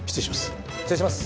失礼します。